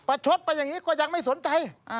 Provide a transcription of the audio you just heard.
ชดไปอย่างนี้ก็ยังไม่สนใจ